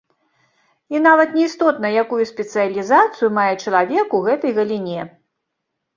І нават не істотна, якую спецыялізацыю мае чалавек у гэтай галіне.